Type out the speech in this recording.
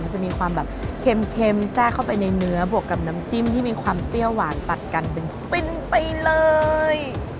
จะมีความแบบเค็มแทรกเข้าไปในเนื้อบวกกับน้ำจิ้มที่มีความเปรี้ยวหวานตัดกันเป็นฟินไปเลย